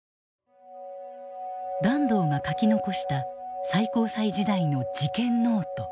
團藤が書き残した最高裁時代の事件ノート。